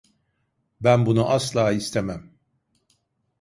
Ben bunu asla istemem.